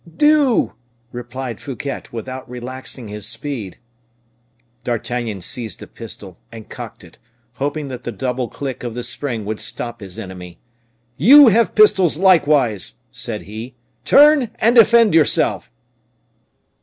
"Do!" replied Fouquet, without relaxing his speed. D'Artagnan seized a pistol and cocked it, hoping that the double click of the spring would stop his enemy. "You have pistols likewise," said he, "turn and defend yourself."